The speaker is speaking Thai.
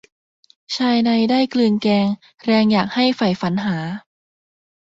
ชายใดได้กลืนแกง แรงอยากให้ใฝ่ฝันหา